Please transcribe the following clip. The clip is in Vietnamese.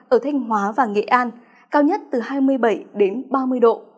ở thanh hóa và nghệ an cao nhất từ hai mươi bảy đến ba mươi độ